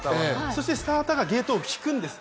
そしてスターターがゲートを引くんです。